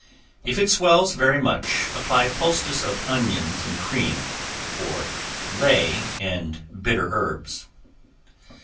If it swells very much, apply a poultice of onions and cream, or ley and bitter herbs.